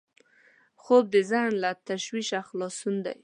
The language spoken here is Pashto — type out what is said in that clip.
خوب د ذهن له تشویشه خلاصون دی